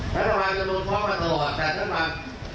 แล้วทำไมจะโดนฟ้องมาตลอดแทนทั้งปัน